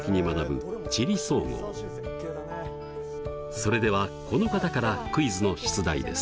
それではこの方からクイズの出題です。